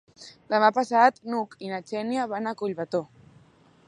Demà passat n'Hug i na Xènia van a Collbató.